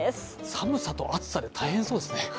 寒さと熱さで大変そうですね。